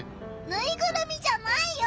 ぬいぐるみじゃないよ。